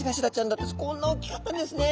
こんなおっきかったんですね。